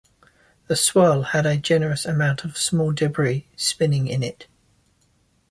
The swirl had a generous amount of small debris spinning in it.